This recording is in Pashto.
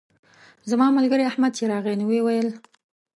زما ملګری احمد چې راغی نو ویې ویل.